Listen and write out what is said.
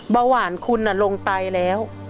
เบาหวานคุณลงไตแล้ว